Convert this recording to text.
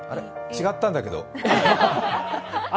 違ったんだけど。